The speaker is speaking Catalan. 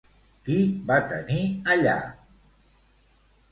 Qui va tenir allà?